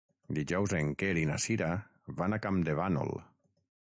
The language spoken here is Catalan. Dijous en Quer i na Sira van a Campdevànol.